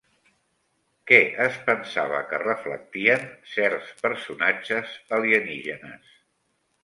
Què es pensava que reflectien certs personatges alienígenes?